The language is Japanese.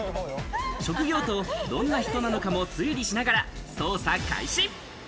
職業とどんな人なのかも推理しながら捜査開始。